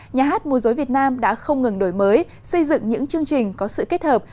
nhà hát mô dối việt nam đã không ngừng đổi mới xây dựng những chương trình có sự kết hợp